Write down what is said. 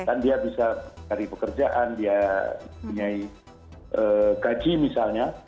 dan dia bisa dari pekerjaan dia punya gaji misalnya